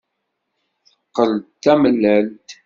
Teqqel d tamellalt.